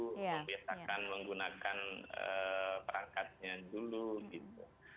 membiasakan menggunakan perangkatnya dulu gitu